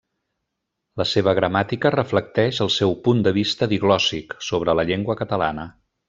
La seva gramàtica reflecteix el seu punt de vista diglòssic sobre la llengua catalana.